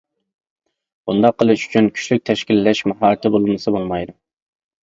بۇنداق قىلىش ئۈچۈن كۈچلۈك تەشكىللەش ماھارىتى بولمىسا بولمايدۇ.